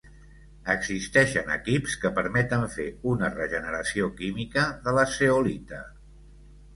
Existeixen equips que permeten fer una regeneració química de la zeolita.